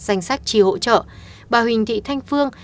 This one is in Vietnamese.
danh sách tri hỗ trợ bà huỳnh thị thanh phương